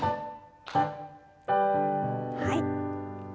はい。